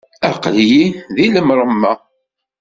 Aql-iyi di lemṛemma!